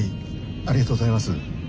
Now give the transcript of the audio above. ありがとうございます。